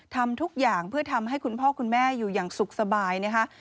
ทำทุกอย่างเพื่อทำให้คุณพ่อคุณแม่อยู่อย่างสุขสบายนะคะ